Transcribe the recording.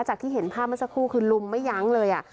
ที่เห็นภาพเมื่อสักครู่คือลุมไม่ยั้งเลย